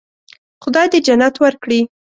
خدای دې جنت ورکړي.